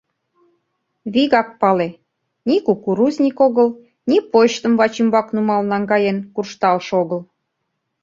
Вигак пале: ни кукурузник огыл, ни почтым вачӱмбак нумал наҥгаен куржталше огыл...